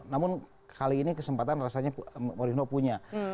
namun kali ini kesempatan rasanya morino punya